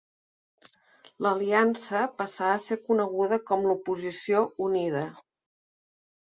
L'aliança passà a ser coneguda com l'Oposició Unida.